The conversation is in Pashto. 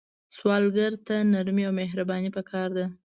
سوالګر ته نرمي او مهرباني پکار ده